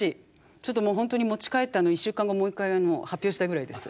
ちょっとホントに持ち帰って１週間後もう一回発表したいぐらいです。